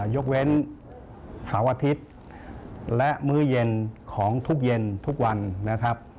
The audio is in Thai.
ยกเว้นเสาร์อาทิตย์และมื้อเย็นของทุกเย็นทุกวันนะครับ